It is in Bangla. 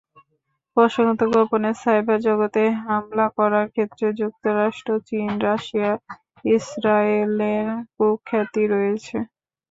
প্রসঙ্গত, গোপনে সাইবার জগতে হামলা করার ক্ষেত্রে যুক্তরাষ্ট্র, চীন, রাশিয়া, ইসরায়েলের কুখ্যাতি রয়েছে।